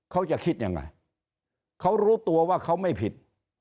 เขาจะคิดยังไงเขารู้ตัวว่าเขาไม่ผิด